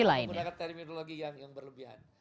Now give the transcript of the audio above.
sebagai sebuah perangkat terimitologi yang berlebihan